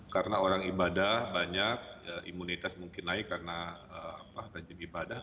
karena orang ibadah banyak imunitas mungkin naik karena tajib ibadah